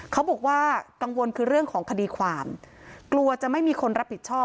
เขาบอกว่ากังวลคือเรื่องของคดีความกลัวจะไม่มีคนรับผิดชอบ